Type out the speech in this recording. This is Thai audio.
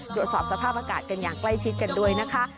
ตรวจสอบสภาพอากาศกันอย่างใกล้ชิดกันด้วยนะคะ